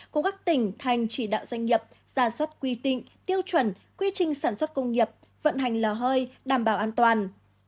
của các tỉnh thành chỉ đạo doanh nghiệp ra soát quy định tiêu chuẩn quy trình sản xuất công nghiệp vận hành lò hơi đảm bảo an toàn